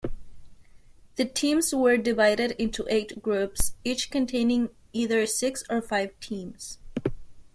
The teams were divided into eight groups, each containing either six or five teams.